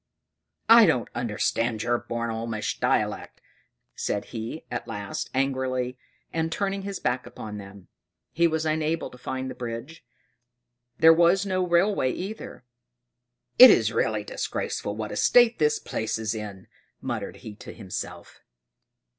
"I don't understand your Bornholmish dialect," said he at last, angrily, and turning his back upon them. He was unable to find the bridge: there was no railway either. "It is really disgraceful what a state this place is in," muttered he to himself.